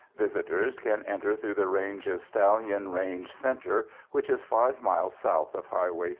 Visitors can enter through the range's Stallion Range Center which is five miles south of Highway 380.